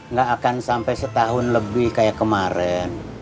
nggak akan sampai setahun lebih kayak kemarin